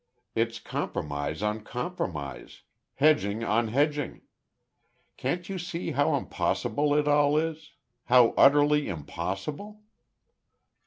"It's compromise on compromise hedging on hedging. Can't you see how impossible it all is? ... how utterly impossible?"